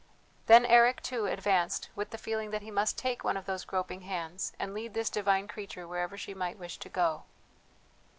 Then Eric, too, advanced with the feeling that he must take one of those groping hands and lead this divine creature wherever she might wish to go.